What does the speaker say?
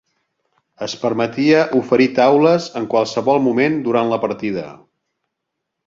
Es permetia oferir taules en qualsevol moment durant la partida.